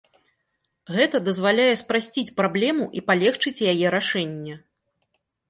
Гэта дазваляе спрасціць праблему і палегчыць яе рашэнне.